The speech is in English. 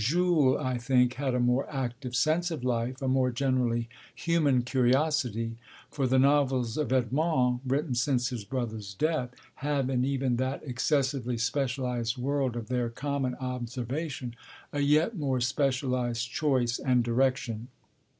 Jules, I think, had a more active sense of life, a more generally human curiosity; for the novels of Edmond, written since his brother's death, have, in even that excessively specialised world of their common observation, a yet more specialised choice and direction.